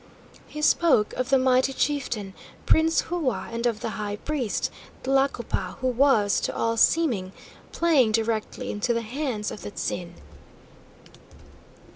He spoke of the mighty chieftain, Prince Hua, and of the high priest, Tlacopa, who was, to all seeming, playing directly into the hands of the 'Tzin.